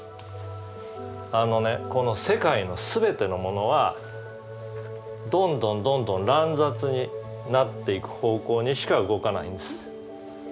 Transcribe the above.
あのねこの世界の全てのものはどんどんどんどん乱雑になっていく方向にしか動かないんです。